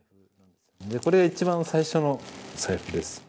これ一番最初の財布です。